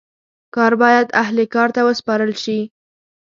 کار باید اهل کار ته وسپارل سي.